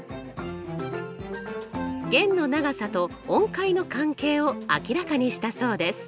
弦の長さと音階の関係を明らかにしたそうです。